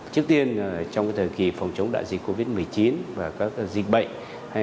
trước tiên trong thời kỳ phòng chống đại dịch covid một mươi chín và các dịch bệnh